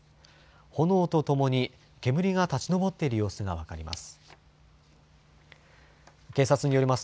炎とともに煙が立ち上っている様子が分かります。